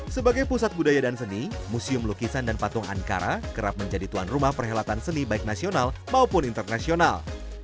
sebagai pusat budaya dan seni museum lukisan dan patung ankara kerap menjadi tuan rumah perhelatan seni baik nasional maupun internasional